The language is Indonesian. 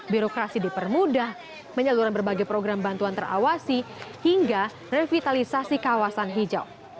birokrasi dipermudah menyalurkan berbagai program bantuan terawasi hingga revitalisasi kawasan hijau